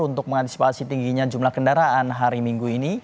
untuk mengantisipasi tingginya jumlah kendaraan hari minggu ini